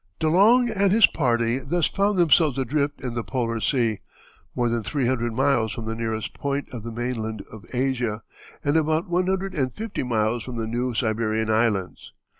De Long and his party thus found themselves adrift in the Polar Sea, more than three hundred miles from the nearest point of the mainland of Asia, and about one hundred and fifty miles from the New Siberian Islands.